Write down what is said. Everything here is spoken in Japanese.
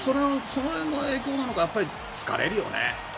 その影響なのか疲れるよね。